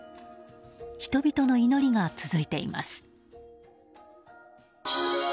人々の祈りが続いています。